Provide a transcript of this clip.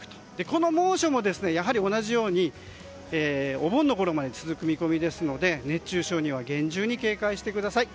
この猛暑もやはり同じようにお盆のころまで続く見込みですので熱中症には厳重に警戒してください。